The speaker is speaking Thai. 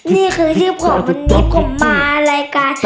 นี่คือชื่อของวันนี้ผมมารายการ